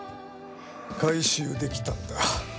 回収できたんだ。